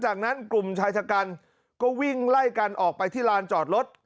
จากนั้นกลุ่มชายชะกันก็วิ่งไล่กันออกไปที่ลานจอดรถ